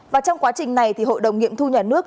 và trong quá trình này thì hội đồng nghiệm thu nhà nước